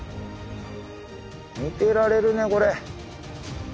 見てられるねこれ。